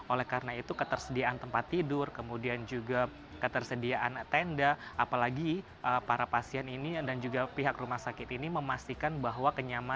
oleh karena itu ketersediaan tempat tidur kemudian juga ketersediaan tenda apalagi para pasien ini dan juga pihak rumah sakit ini memastikan bahwa kenyamanan